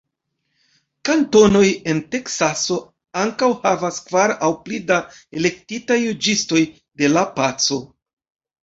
Kantonoj en Teksaso ankaŭ havas kvar aŭ pli da elektitaj Juĝistoj de la Paco.